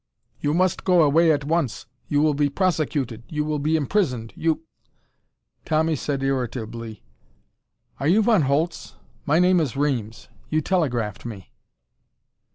You must go away at once! You will be prosecuted! You will be imprisoned! You " Tommy said irritably: "Are you Von Holtz? My name is Reames. You telegraphed me."